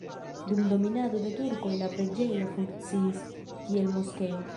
Dum dominado de turkoj la preĝejo funkciis, kiel moskeo.